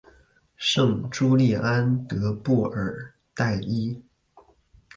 圣朱利安德布尔代伊。